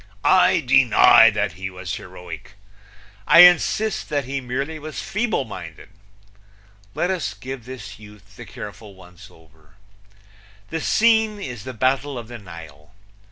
I deny that he was heroic. I insist that he merely was feeble minded. Let us give this youth the careful once over: The scene is the Battle of the Nile.